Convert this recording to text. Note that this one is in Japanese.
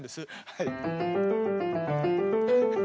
はい。